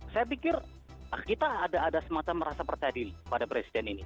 saya pikir kita ada semacam merasa percaya diri pada presiden ini